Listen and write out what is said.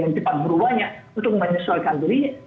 yang cepat berubahnya untuk menyesuaikan dirinya